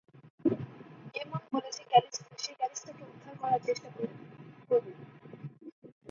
Demon বলছে সে ক্যালিস্টাকে উদ্ধার করার চেষ্টা করবে।